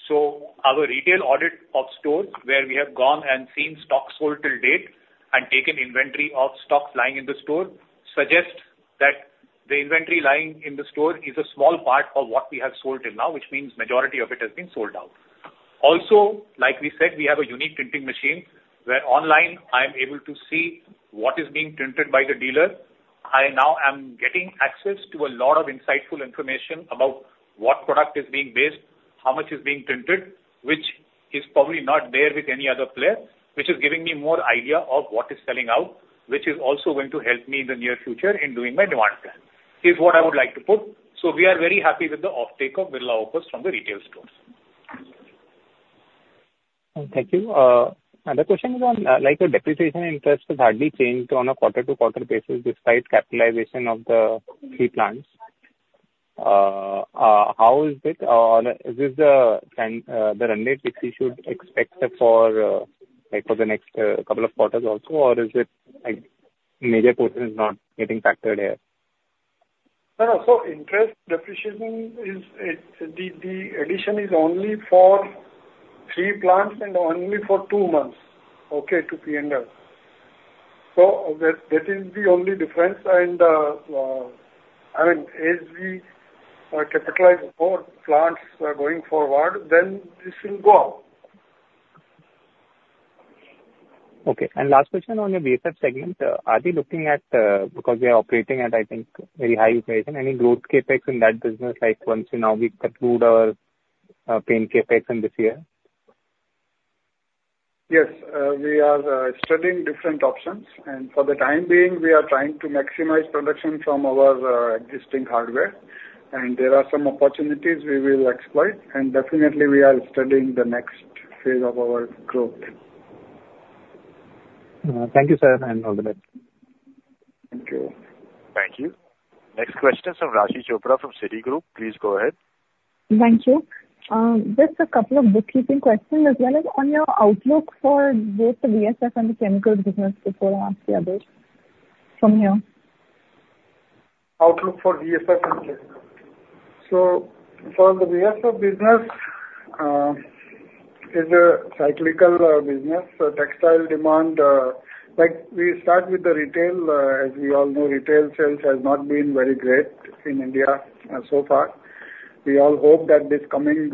So, our retail audit of stores, where we have gone and seen stock sold till date and taken inventory of stocks lying in the store, suggest that the inventory lying in the store is a small part of what we have sold till now, which means majority of it has been sold out. Also, like we said, we have a unique printing machine, where online I am able to see what is being printed by the dealer. I now am getting access to a lot of insightful information about what product is being based, how much is being printed, which is probably not there with any other player, which is giving me more idea of what is selling out, which is also going to help me in the near future in doing my demand plan, is what I would like to put. We are very happy with the offtake of Birla Opus from the retail stores. Thank you. Another question is on, like, the depreciation interest has hardly changed on a quarter-to-quarter basis, despite capitalization of the three plants. How is it, or is this the trend, the run rate which we should expect for, like, for the next couple of quarters also, or is it, like, major portion is not getting factored here? So interest depreciation is the addition only for three plants and only for two months, okay, to P&L. So that is the only difference. I mean, as we capitalize more plants going forward, then this will go up. Okay. Last question on your VSF segment. Are we looking at, because we are operating at, I think, very high utilization, any growth CapEx in that business, like once now we conclude our paint CapEx in this year? Yes. We are studying different options, and for the time being, we are trying to maximize production from our existing hardware. There are some opportunities we will exploit, and definitely we are studying the next phase of our growth. Thank you, sir. And have a good night. Thank you. Thank you. Next question is from Raashi Chopra from Citigroup. Please go ahead. Thank you. Just a couple of bookkeeping questions as well as on your outlook for both the VSF and the chemical business before I ask the others from here. Outlook for VSF and chemicals. So for the VSF business is a cyclical business. So textile demand, like, we start with the retail. As we all know, retail sales has not been very great in India so far. We all hope that this coming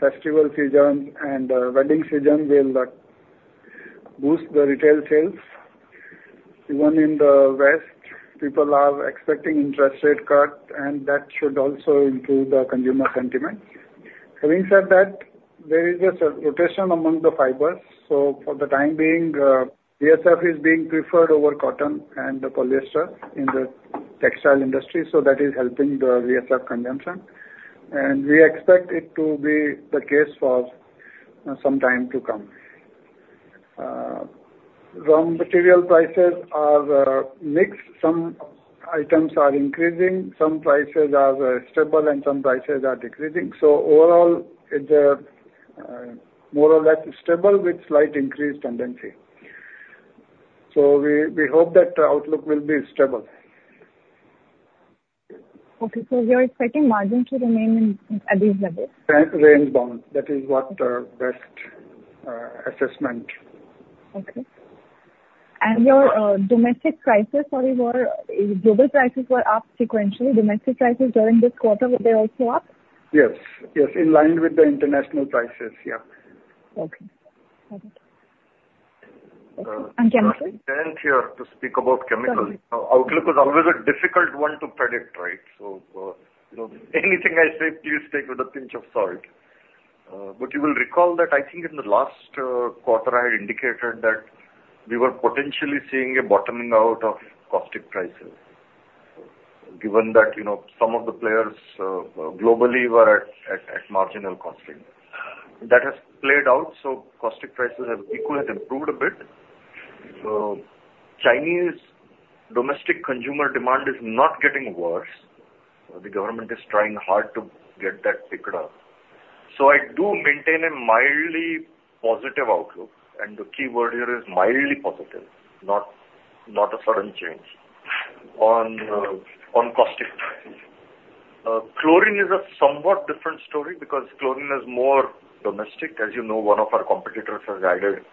festival season and wedding season will boost the retail sales. Even in the West, people are expecting interest rate cut, and that should also improve the consumer sentiment. Having said that, there is a substitution among the fibers, so for the time being, VSF is being preferred over cotton and the polyester in the textile industry, so that is helping the VSF consumption. And we expect it to be the case for-... some time to come. Raw material prices are mixed. Some items are increasing, some prices are stable, and some prices are decreasing. So overall, it more or less stable with slight increased tendency. So we hope that the outlook will be stable. Okay. So you're expecting margin to remain in, at this level? Range bound. That is what best assessment. Okay. And your domestic prices, sorry, were... Global prices were up sequentially. Domestic prices during this quarter, were they also up? Yes, yes, in line with the international prices, yeah. Okay. Got it. And chemicals?... here to speak about chemical. Sorry. Outlook is always a difficult one to predict, right? So, you know, anything I say, please take with a pinch of salt. But you will recall that I think in the last quarter, I had indicated that we were potentially seeing a bottoming out of caustic prices. Given that, you know, some of the players globally were at marginal costing. That has played out, so caustic prices have equally improved a bit. So Chinese domestic consumer demand is not getting worse. The government is trying hard to get that picked up. So I do maintain a mildly positive outlook, and the key word here is mildly positive, not a sudden change on caustic prices. Chlorine is a somewhat different story because chlorine is more domestic. As you know, one of our competitors has added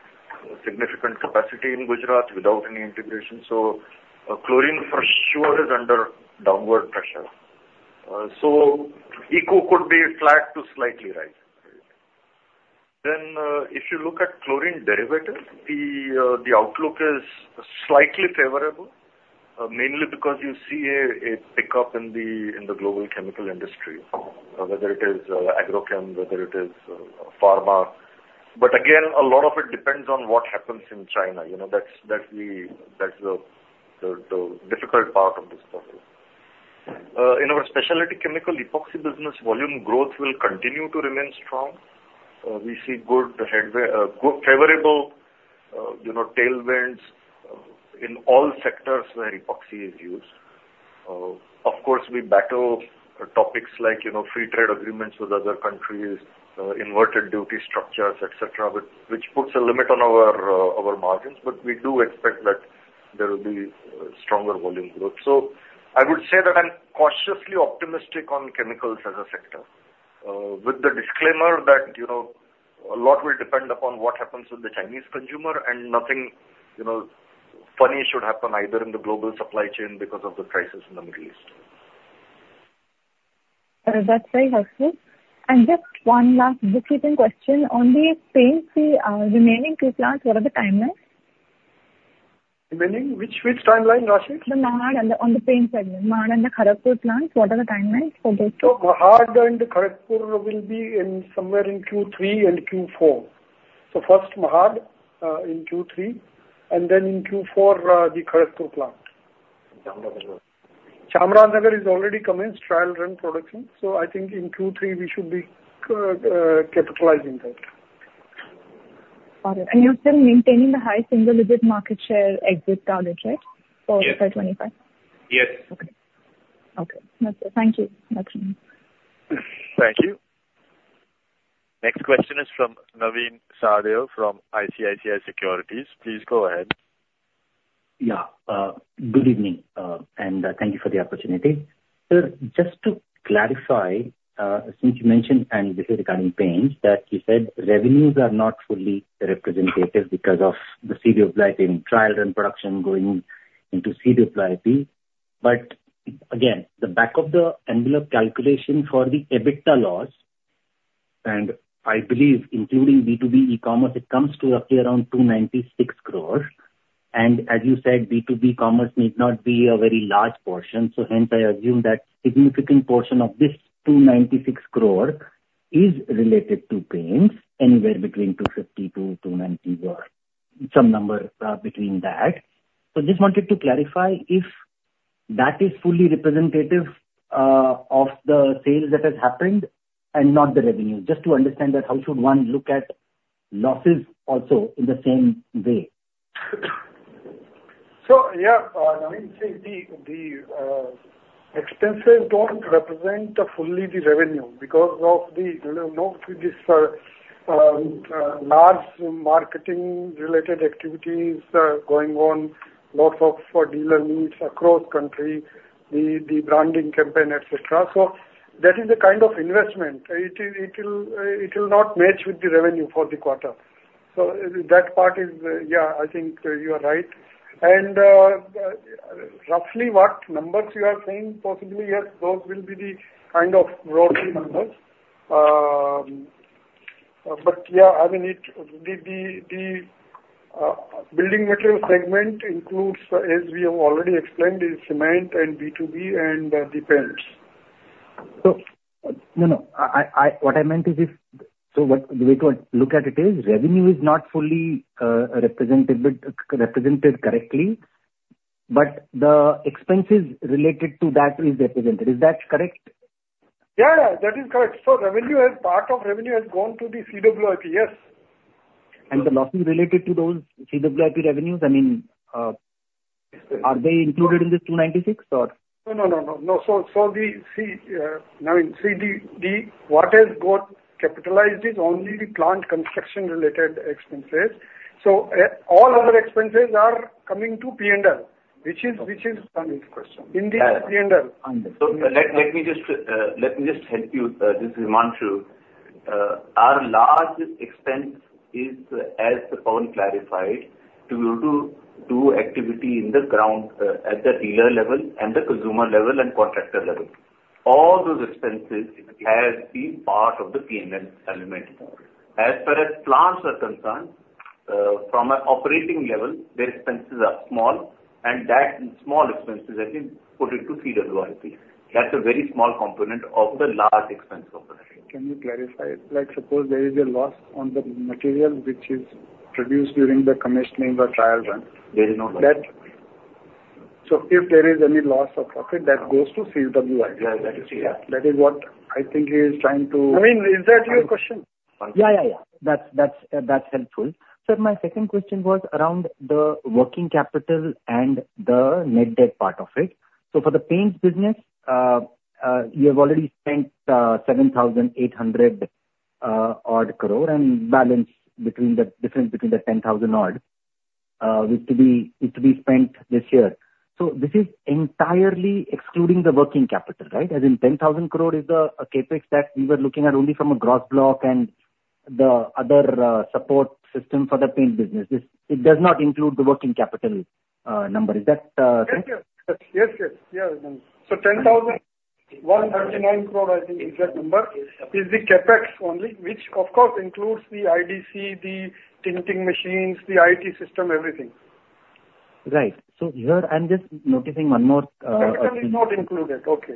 significant capacity in Gujarat without any integration. So chlorine, for sure, is under downward pressure. So ECU could be flat to slightly rising. Then, if you look at chlorine derivatives, the outlook is slightly favorable, mainly because you see a pickup in the global chemical industry, whether it is agrochem, whether it is pharma. But again, a lot of it depends on what happens in China. You know, that's the difficult part of this puzzle. In our specialty chemical epoxy business, volume growth will continue to remain strong. We see good favorable, you know, tailwinds in all sectors where epoxy is used. Of course, we battle topics like, you know, free trade agreements with other countries, inverted duty structures, et cetera, which puts a limit on our margins, but we do expect that there will be stronger volume growth. So I would say that I'm cautiously optimistic on chemicals as a sector, with the disclaimer that, you know, a lot will depend upon what happens with the Chinese consumer and nothing, you know, funny should happen either in the global supply chain because of the crisis in the Middle East. That's very helpful. Just one last briefing question. On the paints, the remaining two plants, what are the timelines? Remaining, which timeline, Raashi? The Mahad on the paint segment. Mahad and the Kharagpur plants, what are the timelines for those two? So Mahad and Kharagpur will be in somewhere in Q3 and Q4. So first, Mahad, in Q3, and then in Q4, the Kharagpur plant. Chamarajanagar. Chamarajanagar is already commenced trial run production, so I think in Q3 we should be capitalizing that. Got it. You're still maintaining the high single-digit market share exit target, right? Yes. For the 2025? Yes. Okay. Okay. Thank you, Laxmi. Thank you. Next question is from Navin Sahadeo from ICICI Securities. Please go ahead. Yeah, good evening, and thank you for the opportunity. Sir, just to clarify, since you mentioned, and this is regarding paints, that you said revenues are not fully representative because of the CWIP trial run production going into CWIP. But again, the back of the envelope calculation for the EBITDA loss, and I believe including B2B e-commerce, it comes to roughly around 296 crore. And as you said, B2B commerce may not be a very large portion, so hence I assume that significant portion of this 296 crore is related to paints, anywhere between 250 crore-290 crore or some number between that. So just wanted to clarify if that is fully representative of the sales that has happened and not the revenue. Just to understand that, how should one look at losses also in the same way? So yeah, Navin, the expenses don't represent fully the revenue because of the, you know, this large marketing related activities going on, lots of dealer meets across country, the branding campaign, et cetera. So that is the kind of investment. It will not match with the revenue for the quarter. So that part is, yeah, I think you are right. And roughly what numbers you are saying, possibly, yes, those will be the kind of broad numbers. But yeah, I mean, the building materials segment includes, as we have already explained, is cement and B2B and the paints. So, no, what I meant is if... So, what- the way to look at it is, revenue is not fully represented correctly? But the expenses related to that is represented. Is that correct? Yeah, yeah, that is correct. So revenue, as part of revenue, has gone to the CWIP, yes. The losses related to those CWIP revenues, I mean, are they included in this 296, or? No, no, no, no, no. So, now what has got capitalized is only the plant construction related expenses. So, all other expenses are coming to P&L, which is in question, in the P&L. Understood. So let me just help you. This is Himanshu. Our largest expense is, as Pavan clarified, to do activity on the ground at the dealer level and the consumer level and contractor level. All those expenses has been part of the P&L element. As far as plants are concerned, from an operating level, the expenses are small, and that small expenses have been put into CWIP. That's a very small component of the large expense of operation. Can you clarify? Like, suppose there is a loss on the material which is produced during the commissioning or trial run? There is no loss. So if there is any loss of profit, that goes to CWIP. Yeah, that is yeah. That is what I think he is trying to- I mean, is that your question? Yeah, yeah, yeah. That's, that's, that's helpful. So my second question was around the working capital and the net debt part of it. So for the paints business, you have already spent 7,800 odd crore, and the balance, the difference between the 10,000 odd is to be spent this year. So this is entirely excluding the working capital, right? As in 10,000 crore is the CapEx that we were looking at only from a gross block and the other support system for the paint business. It does not include the working capital number. Is that correct? Yes, yes. Yes, yes. Yeah. So 10,109 crore, I think, is that number, is the CapEx only, which of course includes the IDC, the tinting machines, the IT system, everything. Right. So here I'm just noticing one more, Capital is not included. Okay.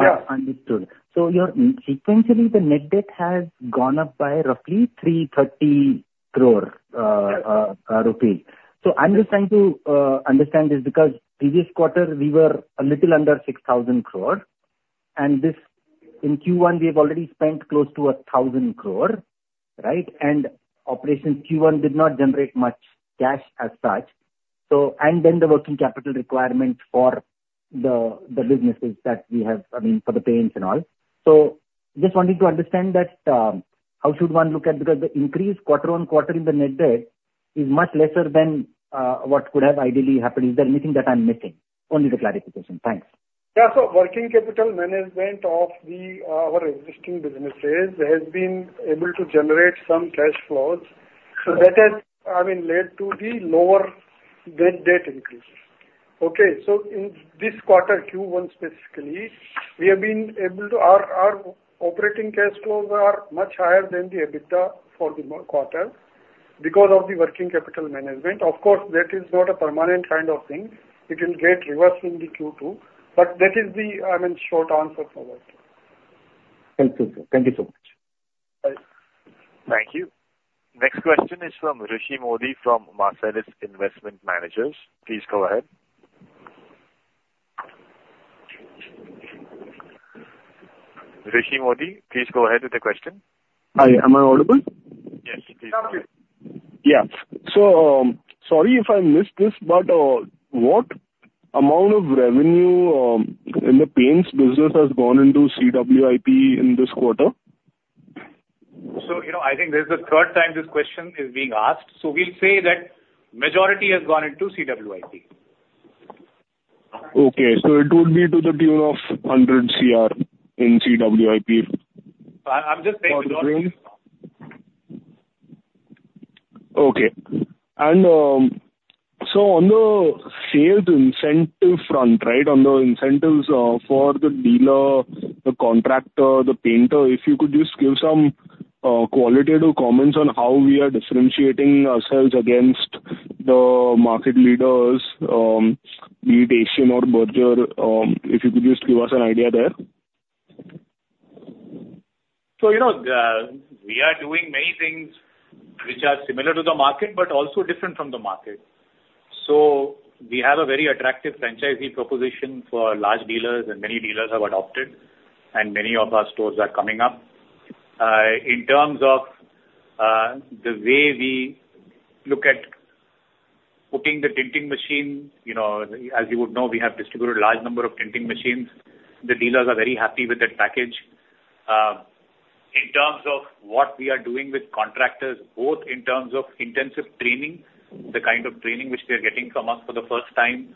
Yeah. Understood. So your, sequentially, the net debt has gone up by roughly 330 crore rupees. Yes. So I'm just trying to understand this, because previous quarter we were a little under 6,000 crore, and this, in Q1, we have already spent close to 1,000 crore, right? And operations Q1 did not generate much cash as such. So, and then the working capital requirement for the, the businesses that we have, I mean, for the paints and all. So just wanting to understand that, how should one look at... Because the increase quarter-on-quarter in the net debt is much lesser than, what could have ideally happened. Is there anything that I'm missing? Only the clarification. Thanks. Yeah. Working capital management of the, our existing businesses has been able to generate some cash flows. Sure. So that has, I mean, led to the lower net debt increase. Okay, so in this quarter, Q1 specifically, we have been able to... Our, our operating cash flows are much higher than the EBITDA for the quarter because of the working capital management. Of course, that is not a permanent kind of thing. It will get reversed in the Q2. But that is the, I mean, short answer for that. Thank you. Thank you so much. Bye. Thank you. Next question is from Rishi Mody, from Marcellus Investment Managers. Please go ahead. Rishi Mody, please go ahead with the question. Hi, am I audible? Yes, please. Okay. Yeah. So, sorry if I missed this, but what amount of revenue in the paints business has gone into CWIP in this quarter? You know, I think this is the third time this question is being asked. We'll say that majority has gone into CWIP. Okay, so it would be to the tune of 100 crore in CWIP? I'm just saying majority- Okay. And, so on the sales incentive front, right, on the incentives, for the dealer, the contractor, the painter, if you could just give some qualitative comments on how we are differentiating ourselves against the market leaders, be it Asian or Berger, if you could just give us an idea there. So, you know, we are doing many things which are similar to the market, but also different from the market. So we have a very attractive franchisee proposition for large dealers, and many dealers have adopted, and many of our stores are coming up. In terms of the way we look at putting the tinting machine, you know, as you would know, we have distributed a large number of tinting machines. The dealers are very happy with that package. In terms of what we are doing with contractors, both in terms of intensive training, the kind of training which they are getting from us for the first time.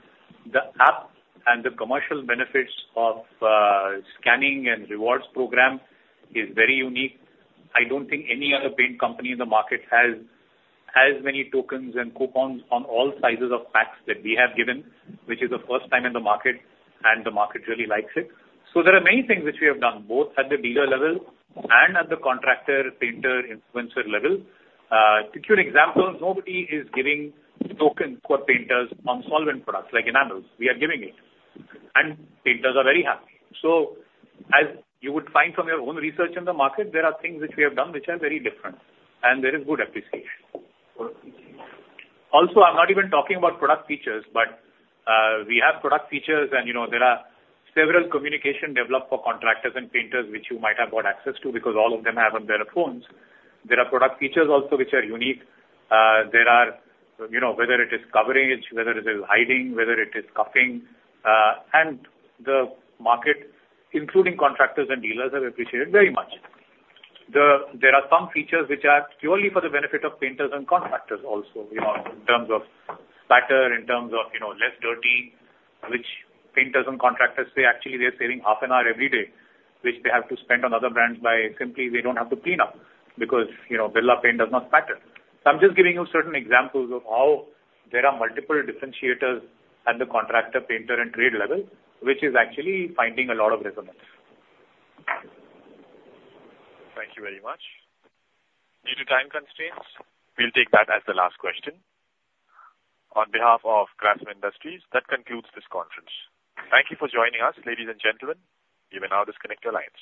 The app and the commercial benefits of scanning and rewards program is very unique. I don't think any other paint company in the market has as many tokens and coupons on all sizes of packs that we have given, which is the first time in the market, and the market really likes it. So there are many things which we have done, both at the dealer level and at the contractor, painter, influencer level. To give you an example, nobody is giving tokens for painters on solvent products like enamels. We are giving it, and painters are very happy. So as you would find from your own research in the market, there are things which we have done which are very different, and there is good appreciation. Also, I'm not even talking about product features, but we have product features, and, you know, there are several communications developed for contractors and painters, which you might have got access to, because all of them have on their phones. There are product features also which are unique. There are, you know, whether it is covering, whether it is hiding, whether it is covering, and the market, including contractors and dealers, have appreciated very much. There are some features which are purely for the benefit of painters and contractors also, you know, in terms of spatter, in terms of, you know, less dirty, which painters and contractors say actually they are saving half an hour every day, which they have to spend on other brands by simply they don't have to clean up, because, you know, Birla Paints does not spatter. So I'm just giving you certain examples of how there are multiple differentiators at the contractor, painter, and trade level, which is actually finding a lot of resonance. Thank you very much. Due to time constraints, we'll take that as the last question. On behalf of Grasim Industries, that concludes this conference. Thank you for joining us, ladies and gentlemen. You may now disconnect your lines.